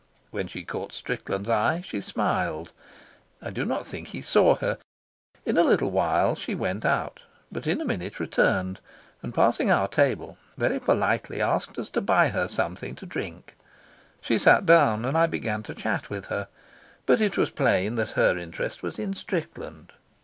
When she caught Strickland's eye she smiled. I do not think he saw her. In a little while she went out, but in a minute returned and, passing our table, very politely asked us to buy her something to drink. She sat down and I began to chat with her; but, it was plain that her interest was in Strickland.